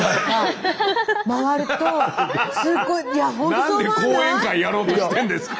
なんで講演会やろうとしてんですか。